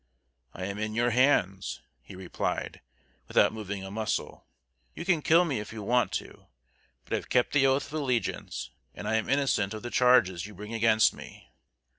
"I am in your hands," he replied, without moving a muscle; "you can kill me if you want to; but I have kept the oath of allegiance, and I am innocent of the charges you bring against me."